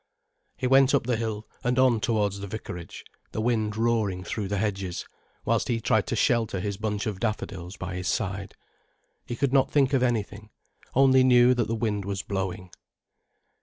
He went up the hill and on towards the vicarage, the wind roaring through the hedges, whilst he tried to shelter his bunch of daffodils by his side. He did not think of anything, only knew that the wind was blowing.